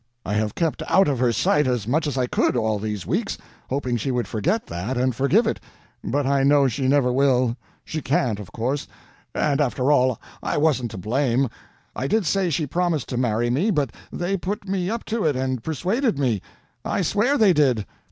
I have kept out of her sight as much as I could, all these weeks, hoping she would forget that and forgive it—but I know she never will. She can't, of course. And, after all, I wasn't to blame. I did say she promised to marry me, but they put me up to it and persuaded me. I swear they did!"